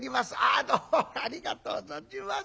あどうもありがとう存じます。